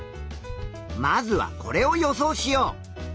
まずはこれを予想しよう。